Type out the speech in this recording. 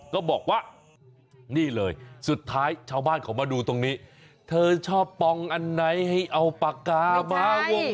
ก็บอกว่านี่เลยสุดท้ายชาวบ้านเขามาดูตรงนี้เธอชอบปองอันไหนให้เอาปากกามาวง